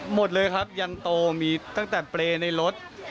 หมดเลยครับยันโตมีตั้งแต่เปรย์ในรถ